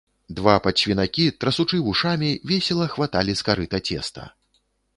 Два падсвінакі, трасучы вушамі, весела хваталі з карыта цеста.